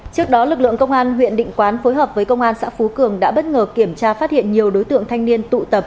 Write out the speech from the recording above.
trước đó lực lượng công an huyện định quán phối hợp với công an xã phú cường đã bất ngờ kiểm tra phát hiện nhiều đối tượng thanh niên tụ tập